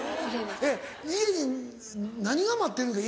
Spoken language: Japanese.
家に何が待ってるんですか？